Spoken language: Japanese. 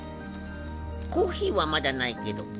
コーヒーはまだないけど。